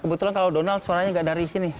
kebetulan kalau donald suaranya gak dari sini